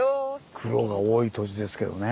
苦労が多い土地ですけどね。